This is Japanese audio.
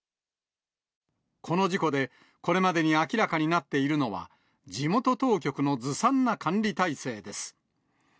この事故でこれまでに明らかになっているのは、地元当局のずさんな管理態勢です。